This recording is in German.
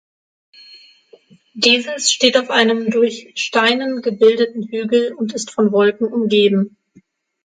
Dieses steht auf einem durch Steinen gebildeten Hügel und ist von Wolken umgeben.